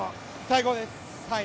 最高です。